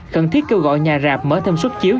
cần thiết kêu gọi nhà rạp mở thêm xuất chiếu